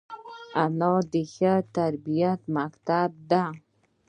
انا د ښه تربیت مکتب ده